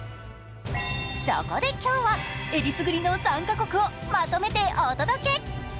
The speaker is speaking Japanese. そこで今日は、えりすぐりの３カ国をまとめてお届け！